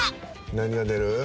何が出る？